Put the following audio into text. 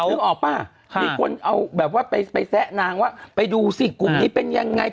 นึกออกป่ะมีคนแบบว่าไปแซ๊ะนางว่าคลัผมนี้เป็นยังไง